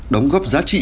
đóng góp giá trị